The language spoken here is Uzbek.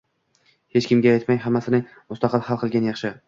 “hech kimga aytmay, hammasini mustaqil hal qilgan yaxshi”